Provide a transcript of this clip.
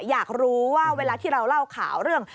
อยากรู้ว่าเวลาที่เราเล่าข่าวเรื่อง